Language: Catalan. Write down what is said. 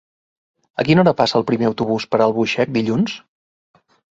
A quina hora passa el primer autobús per Albuixec dilluns?